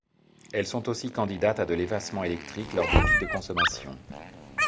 Elle sont aussi candidates à de l'effacement électrique lors des pics de consommation.